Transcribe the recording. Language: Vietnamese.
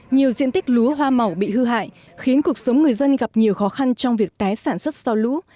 nhiều diện tích lúa hoa màu bị hư hại khiến cuộc sống người dân gặp nhiều khó khăn trong việc tái sản xuất sau lũ